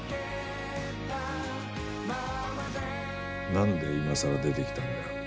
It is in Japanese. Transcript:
なんで今さら出てきたんだよ。